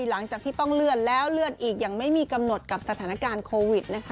หลังจากที่ต้องเลื่อนแล้วเลื่อนอีกอย่างไม่มีกำหนดกับสถานการณ์โควิดนะคะ